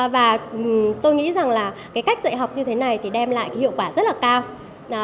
và tôi nghĩ rằng là cái cách dạy học như thế này thì đem lại cái hiệu quả rất là cao